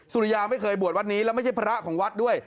สุริยาไม่เคยบวชวัดนี้แล้วไม่ใช่พระของวัดด้วย